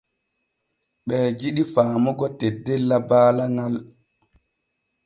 Ɓee jidi faamugo teddella baala ŋal.